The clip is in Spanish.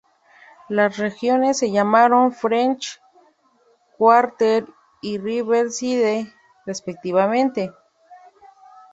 Las regiones se llamaron French Quarter y Riverside, respectivamente.